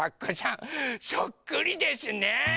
そっくりですね！